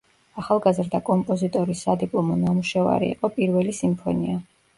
ახალგაზრდა კომპოზიტორის სადიპლომო ნამუშევარი იყო „პირველი სიმფონია“.